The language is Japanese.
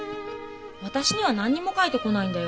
私には何にも書いてこないんだよ。